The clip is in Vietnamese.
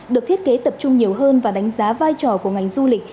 được thiết kế tập trung nhiều hơn và đánh giá vai trò của ngành du lịch